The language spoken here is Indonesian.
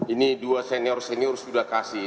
ini dua senior senior sudah kasih